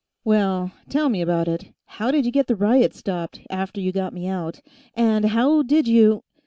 "Well, tell me about it. How did you get the riot stopped, after you got me out? And how did you